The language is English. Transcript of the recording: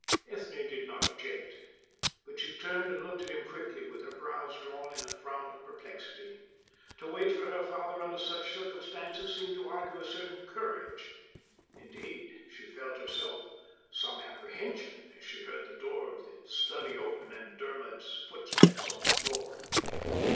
Ethne did not object, but she turned and looked at him quickly with her brows drawn in a frown of perplexity. To wait for her father under such circumstances seemed to argue a certain courage. Indeed, she herself felt some apprehension as she heard the door of the study open and Dermod's footsteps on the floor.